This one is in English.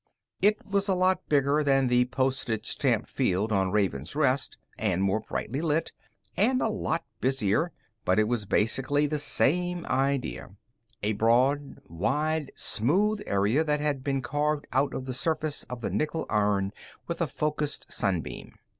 It was a lot bigger than the postage stamp field on Raven's Rest, and more brightly lit, and a lot busier, but it was basically the same idea a broad, wide, smooth area that had been carved out of the surface of the nickel iron with a focused sun beam.